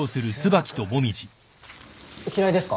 嫌いですか？